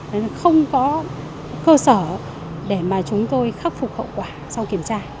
nên là không có cơ sở để mà chúng tôi khắc phục hậu quả sau kiểm tra